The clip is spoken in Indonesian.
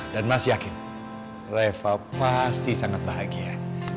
dan mas yakin reva pasti sangat bahagia